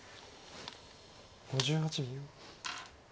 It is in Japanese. ５８秒。